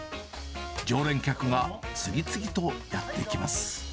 常連客が次々とやって来ます。